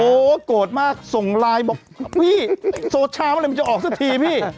โอ้โหโกรธมากส่งไลน์บอกพี่โซเช้าอะไรมันจะออกสักทีพี่